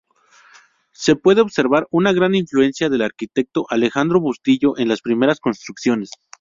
Se puede observar una gran influencia del Arquitecto Alejandro Bustillo en las primeras construcciones.